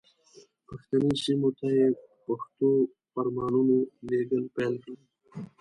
پښتني سیمو ته یې په پښتو فرمانونه لېږل پیل کړل.